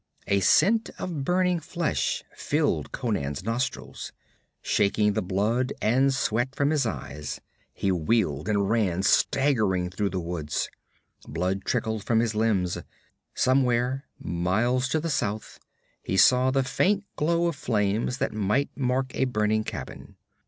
A scent of burning flesh filled Conan's nostrils. Shaking the blood and sweat from his eyes, he wheeled and ran staggering through the woods. Blood trickled down his limbs. Somewhere, miles to the south, he saw the faint glow of flames that might mark a burning cabin.